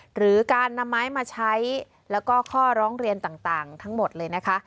หรือการนำไม้มาใช้แล้วก็ข้อร้องเรียนต่างทั้งหมดเลยนะคะ